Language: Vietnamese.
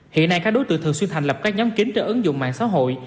hiện nay các đối tượng thường xuyên thành lập các nhóm kính trên ứng dụng mạng xã hội